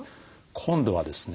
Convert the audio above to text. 今度はですね